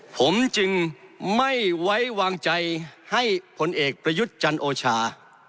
ผมจึงไม่ไว้วางใจให้ผลเอกประยุทธ์จันโอชา